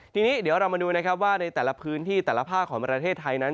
ทีนี้เดี๋ยวเรามาดูนะครับว่าในแต่ละพื้นที่แต่ละภาคของประเทศไทยนั้น